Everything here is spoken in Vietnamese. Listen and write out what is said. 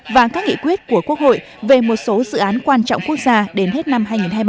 và các nghị quyết của quốc hội về một số dự án quan trọng quốc gia đến hết năm hai nghìn hai mươi ba